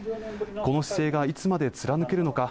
この姿勢がいつまで貫けるのか